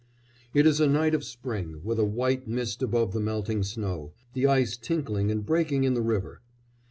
It is a night of spring, with a white mist above the melting snow, the ice tinkling and breaking in the river.